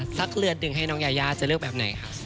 สักเรือนหนึ่งให้น้องยายาจะเลือกแบบไหนคะ